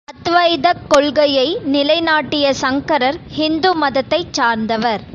அத்வைதக் கொள்கையை நிலைநாட்டிய சங்கரர் ஹிந்து மதத்தைச் சார்ந்தவர்.